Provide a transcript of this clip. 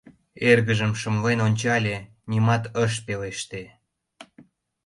Эргыжым шымлен ончале, нимат ыш пелеште.